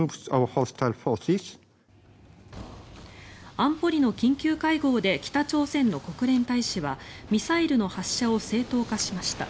安保理の緊急会合で北朝鮮の国連大使はミサイルの発射を正当化しました。